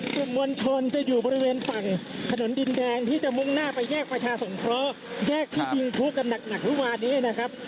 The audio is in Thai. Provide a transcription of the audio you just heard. กลุ่มมวลชนจะอยู่บริเวณฝั่งถนนดินแดงที่จะมุ่งหน้าไปแยกประชาสงเคราะห์แยกที่ดินพลุกันหนักเมื่อวานี้นะครับ